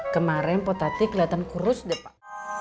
kemarin potati kelihatan kurus deh pak